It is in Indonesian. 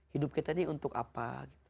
hidup kita ini untuk apa